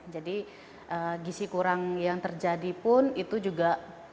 jadi gisi kurang yang terjadi pun itu juga